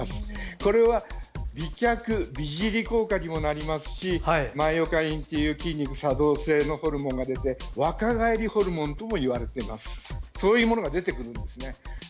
これは美脚、美尻効果にもなりますしマイオカインという筋肉作動性のホルモンが出て若返りホルモンともいわれてるんですがそういうものが出てくるんですね。